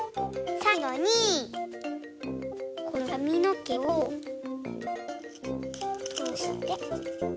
さいごにこのかみのけをとおして。